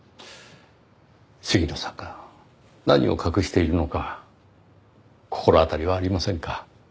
鴫野さんが何を隠しているのか心当たりはありませんか？